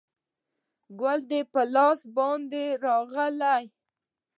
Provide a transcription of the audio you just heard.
ګل دې په لاس باندې رانغلی